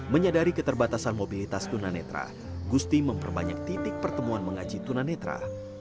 menyadari keterbatasan mobilitas tunanetra gusti memperbanyak titik pertemuan mengaji tunanetra